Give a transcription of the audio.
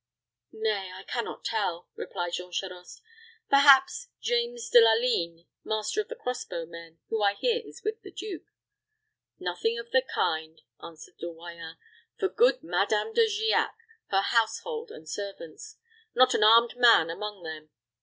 "Nay, I can not tell," replied Jean Charost. "Perhaps James de la Ligne, master of the crossbow men, who I hear is with the duke." "Nothing of the kind," answered De Royans. "For good Madame De Giac, her household and servants not an armed man among them.